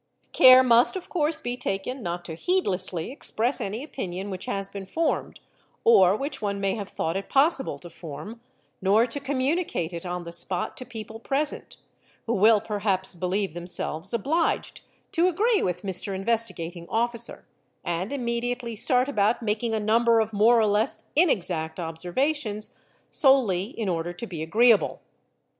; Care must of course be taken not to heedlessly express. any opinion | which has been formed, or which one may have thought it possible to form, nor to communicate it on the spot to people present, who will perhaps believe themselves obliged to agree with " Mr. Investigating | Officer", and immediately start about making a number of more or less" inexact observations, solely in order to be agreeable.